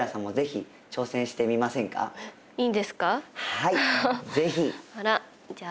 はい！